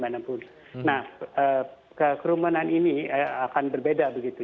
nah kerumunan ini akan berbeda begitu